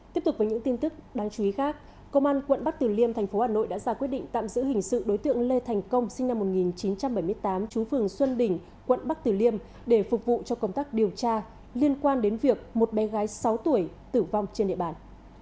tiếp tục với những tin tức đáng chú ý khác công an quận bắc từ liêm thành phố hà nội đã ra quyết định tạm giữ hình sự đối tượng lê thành công sinh năm một nghìn chín trăm bảy mươi tám chú phường xuân đỉnh quận bắc tử liêm để phục vụ cho công tác điều tra liên quan đến việc một bé gái sáu tuổi tử vong trên địa bàn